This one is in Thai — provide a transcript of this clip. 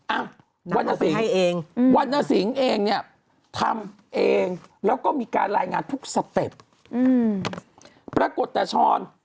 อ่ะวันนสิงห์วันนสิงห์เองเนี่ยทำเองแล้วก็มีการรายงานทุกสเต็ปปรากฏแต่ช้อน